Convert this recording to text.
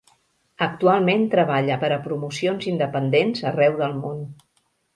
Actualment treballa per a promocions independents arreu del món.